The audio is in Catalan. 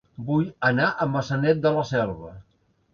Vull anar a Maçanet de la Selva